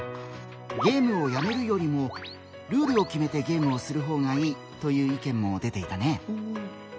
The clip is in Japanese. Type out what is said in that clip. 「ゲームをやめるよりもルールを決めてゲームをする方がいい」という意見も出ていたね。